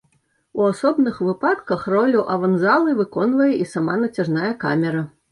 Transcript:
У асобных выпадках ролю аванзалы выконвае і сама нацяжная камера.